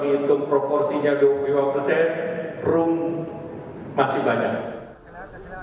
tapi kalau dihitung proporsinya dua puluh lima persen room masih banyak